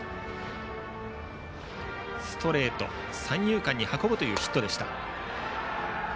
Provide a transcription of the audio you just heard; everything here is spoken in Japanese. ストレートを三遊間に運ぶというヒットでした。